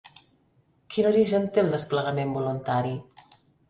Quin origen té el desplegament voluntari?